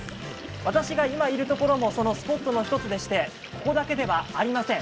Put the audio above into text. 私が今いるところも、そのスポットの１つでして、ここだけではありません。